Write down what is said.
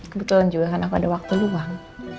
kebetulan juga kan aku ada waktu luang